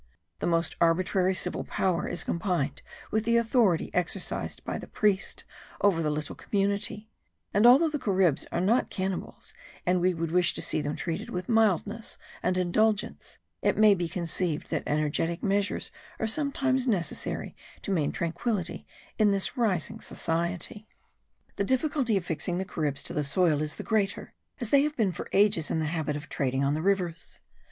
The most arbitrary civil power is combined with the authority exercised by the priest over the little community; and, although the Caribs are not cannibals, and we would wish to see them treated with mildness and indulgence, it may be conceived that energetic measures are sometimes necessary to maintain tranquillity in this rising society. The difficulty of fixing the Caribs to the soil is the greater, as they have been for ages in the habit of trading on the rivers.